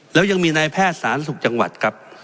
แล้วยังมีนายแพทย์สาธารณสุขจังหวัดครับ